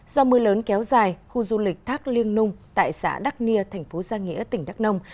do mưa lớn kéo dài khu du lịch thác liêng nung tại xã đắc nia thành phố giang nghĩa tỉnh đắk nông